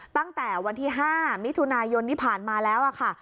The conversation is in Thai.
ตั้งแต่วันที่๕มิถุนายนที่ผ่านมาแล้วค่ะ